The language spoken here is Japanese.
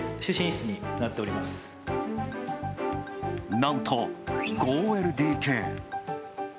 なんと５ＬＤＫ。